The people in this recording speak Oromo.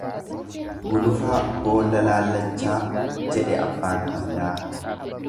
Gulufaa boolla laallachaa, jedhe abbaan fardaa.